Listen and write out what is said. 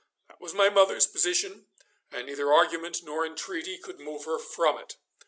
That was my mother's position, and neither argument nor entreaty could move her from it.